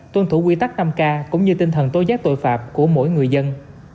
của quy tắc năm k cũng như tinh thần tối giác tội phạm của mỗi người dân